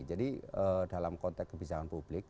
jadi dalam konteks kebijakan publik